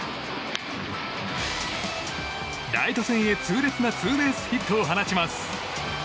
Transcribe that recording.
ライト線へ、痛烈なツーベースヒットを放ちます。